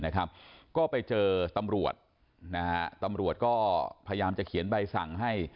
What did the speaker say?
นะครับก็ไปเจอตำรวจนะฮะตำรวจก็พยายามจะเขียนใบสั่งให้